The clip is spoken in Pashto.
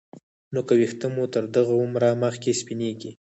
نو که ویښته مو تر دغه عمره مخکې سپینېږي